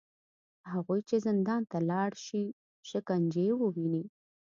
هغوی چې زندان ته لاړ شي، شکنجې وویني